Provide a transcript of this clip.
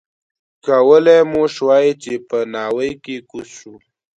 کولای مو شوای چې په ناوې کې کوز شو.